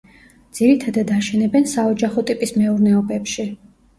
ძირითადად აშენებენ საოჯახო ტიპის მეურნეობებში.